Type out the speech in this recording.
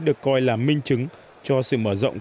được coi là minh chứng cho sự mở rộng